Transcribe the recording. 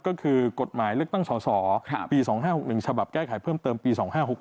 ก็คือกฎหมายเลือกตั้งสสปี๒๕๖๑ฉบับแก้ไขเพิ่มเติมปี๒๕๖๖